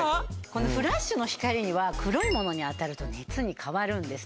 このフラッシュの光には黒い物に当たると熱に変わるんですね。